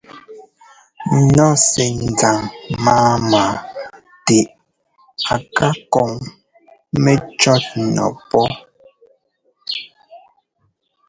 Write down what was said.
Nu sɛ́ ńzaŋ máama tɛ a ká kɔŋ mɛcɔ̌tnu pɔ́́.